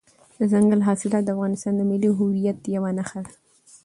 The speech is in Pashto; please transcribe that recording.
دځنګل حاصلات د افغانستان د ملي هویت یوه نښه ده.